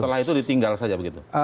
setelah itu ditinggal saja begitu